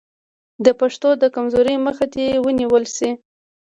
د پښتو د کمزورۍ مخه دې ونیول شي.